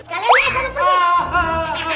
kalian lihat aku pergi